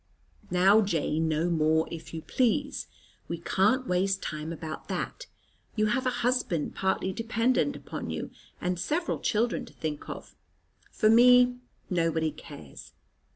"Now, Jane, no more, if you please. We can't waste time about that. You have a husband partly dependent upon you, and several children to think of. For me nobody cares."